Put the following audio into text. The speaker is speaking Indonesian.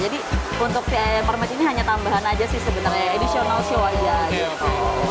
jadi untuk si mermaid ini hanya tambahan aja sih sebenarnya additional show aja gitu